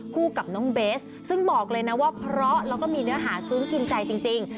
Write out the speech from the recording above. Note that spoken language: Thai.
กับน้องเบสซึ่งบอกเลยนะว่าเพราะแล้วก็มีเนื้อหาซึ้งกินใจจริง